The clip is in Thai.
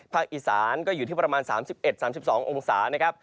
ภาคอีสานก็อยู่ที่ประมาณ๓๑๓๒องศา